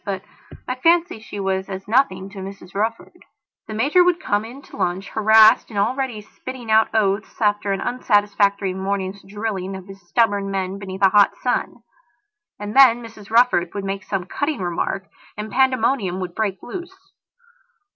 But I fancy she was as nothing to Mrs Rufford. The Major would come in to lunch harassed and already spitting out oaths after an unsatisfactory morning's drilling of his stubborn men beneath a hot sun. And then Mrs Rufford would make some cutting remark and pandemonium would break loose.